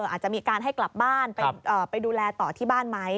อาจจะมีการให้กลับบ้านไปดูแลต่อที่บ้านไหม